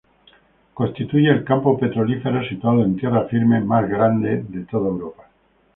Constituye el campo petrolífero situado en tierra firme más grande en toda Europa.